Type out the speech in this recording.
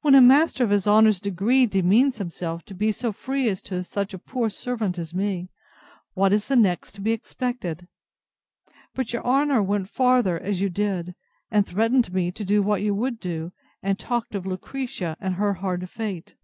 When a master of his honour's degree demeans himself to be so free as that to such a poor servant as me, what is the next to be expected?—But your honour went farther, so you did; and threatened me what you would do, and talked of Lucretia, and her hard fate.